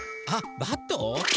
あっバット？